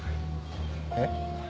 えっ？